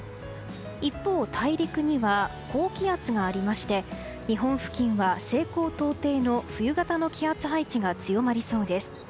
一方、大陸には高気圧がありまして日本付近は西高東低の冬型の気圧配置が強まりそうです。